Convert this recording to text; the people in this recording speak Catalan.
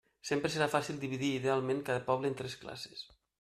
Sempre serà fàcil dividir idealment cada poble en tres classes.